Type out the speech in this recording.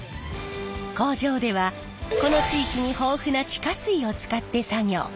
工場ではこの地域に豊富な地下水を使って作業。